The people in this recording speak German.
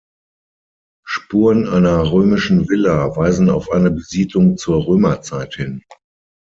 Spuren einer römischen Villa weisen auf eine Besiedlung zur Römerzeit hin.